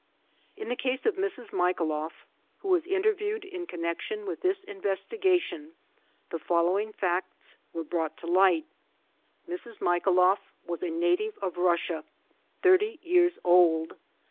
In the case of Mrs. Michailoff, who was interviewed in connection with this investigation, the following facts were brought to light : Mrs. Michailoff was a native of Russia, thirty years old.